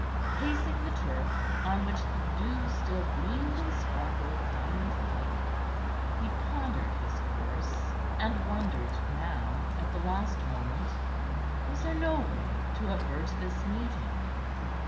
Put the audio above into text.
Pacing the turf, on which the dew still gleamed and sparkled diamond like, he pondered his course, and wondered now, at the last moment, was there no way to avert this meeting.